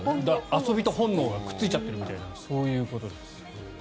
遊びと本能をくっついちゃってるみたいなそういうことです。